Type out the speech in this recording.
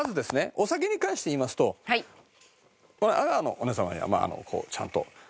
お酒に関して言いますと阿川のお姉様にはまああのこうちゃんと一番。